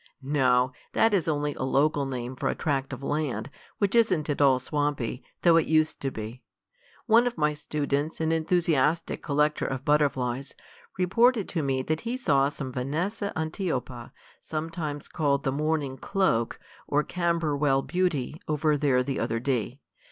"No, that is only a local name for a tract of land, which isn't at all swampy, though it used to be. One of my students, an enthusiastic collector of butterflies, reported to me that he saw some Vanessa antiopa, sometimes called the Mourning Cloak, or Camberwell Beauty, over there the other day.